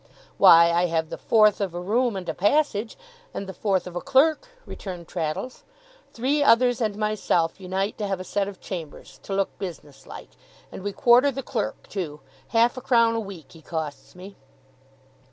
'Why, I have the fourth of a room and a passage, and the fourth of a clerk,' returned Traddles. 'Three others and myself unite to have a set of chambers to look business like and we quarter the clerk too. Half a crown a week he costs me.